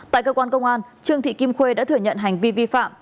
tại cơ quan công an trương thị kim khuê đã thừa nhận hành vi vi phạm